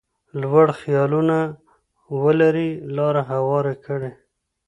لوړ خیالونه ولري لاره هواره کړي.